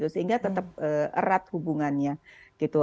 sehingga tetap erat hubungannya gitu